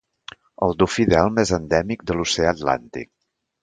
El dofí d'elm és endèmic de l'oceà Atlàntic.